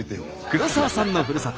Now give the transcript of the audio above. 黒沢さんのふるさと